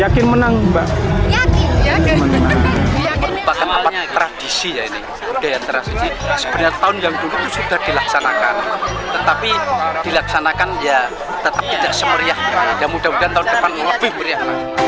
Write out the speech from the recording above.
ketupat yang dilaksanakan tetapi dilaksanakan ya tetap tidak semeriah dan mudah mudahan tahun depan lebih meriah